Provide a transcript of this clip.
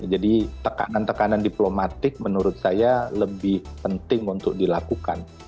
jadi tekanan tekanan diplomatik menurut saya lebih penting untuk dilakukan